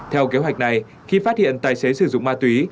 theo kế hoạch này khi phát hiện tài xế sử dụng ma túy